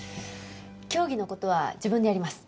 競技のことは自分でやります。